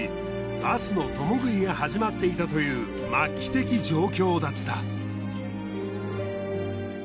バスの共食いが始まっていたという末期的状況だった。